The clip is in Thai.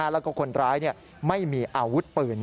แล้วก็คนร้ายไม่มีอาวุธปืน